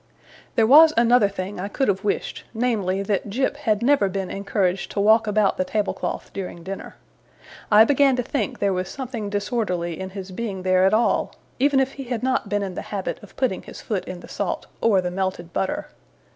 There was another thing I could have wished, namely, that Jip had never been encouraged to walk about the tablecloth during dinner. I began to think there was something disorderly in his being there at all, even if he had not been in the habit of putting his foot in the salt or the melted butter.